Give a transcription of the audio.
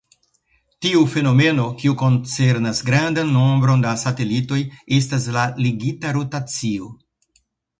Tiu fenomeno, kiu koncernas grandan nombron da satelitoj, estas la ligita rotacio.